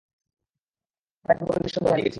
আমরা একদম, পুরোপুরি নিঃসন্দেহে হারিয়ে গেছি।